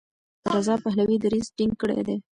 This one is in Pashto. رضا پهلوي دریځ ټینګ کړی دی.